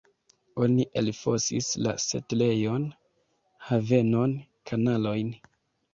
Oni elfosis la setlejon, havenon, kanalojn.